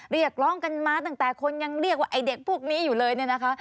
เรียกร้องกันมาตั้งแต่คนยังเรียกว่าไอ้เด็กพวกนี้อยู่เลยเนี่ยนะคะ